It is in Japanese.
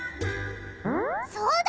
そうだ！